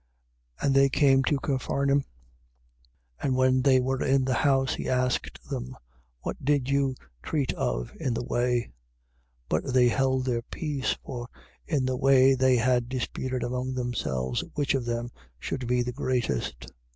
9:32. And they came to Capharnaum. And when they were in the house, he asked them: What did you treat of in the way? 9:33. But they held their peace, for in the way they had disputed among themselves, which of them should be the greatest.